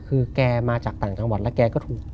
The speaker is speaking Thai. คือแกมาจากต่างจังหวัดแล้วแกก็ถูก